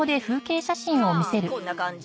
まあこんな感じ？